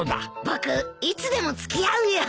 僕いつでも付き合うよ。